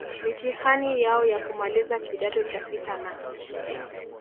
mitihani yao ya kumaliza kidato cha sita na